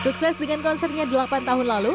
sukses dengan konsernya delapan tahun lalu